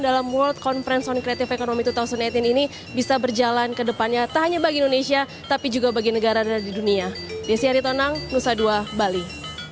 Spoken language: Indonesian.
terima kasih banyak pak triawan munaf kepala badan ekonomi kreatif dan semoga sejumlah kesepakatan yang telah disimpulkan